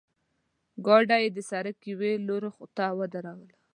ګاډۍ یې د سړک یوې لورته ودروله.